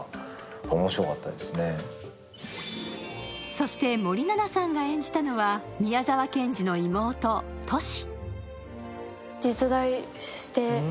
そして森七菜さんが演じたのは宮沢賢治の妹・トシ。